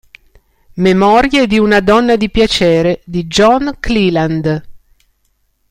Memorie di una donna di piacere" di John Cleland.